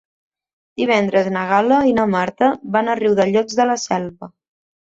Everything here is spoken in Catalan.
Divendres na Gal·la i na Marta van a Riudellots de la Selva.